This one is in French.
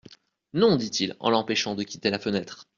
Non, dit-il, en l'empêchant de quitter la fenêtre.